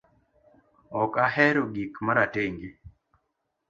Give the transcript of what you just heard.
Ok ahero gik maratenge